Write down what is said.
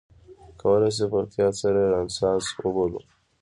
کولای شو په احتیاط سره یې رنسانس وبولو.